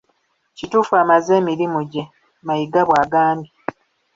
Kituufu amaze emirimu gye, Mayiga bwagambye.